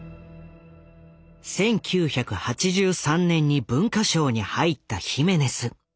１９８３年に文化省に入ったヒメネス。